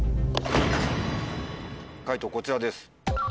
解答こちらです。